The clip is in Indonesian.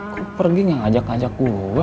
kenapa pergi tidak mengajak ajak saya